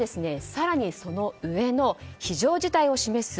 更にその上の非常事態を示す